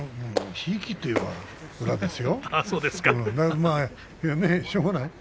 ひいきといえば宇良ですよ。